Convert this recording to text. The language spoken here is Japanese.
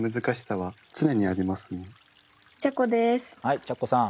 はいちゃこさん。